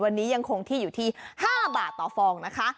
วันนี้ยังคงที่อยู่ที่๕บาทต่อฟองนะคะ